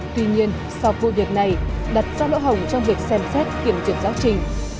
tuy nhiên sau vụ duyệt này đặt ra lỗ hồng trong việc xem xét kiểm truyền giáo trình